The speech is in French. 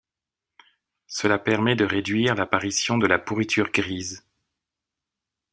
Cela permet de réduire l'apparition de la pourriture grise.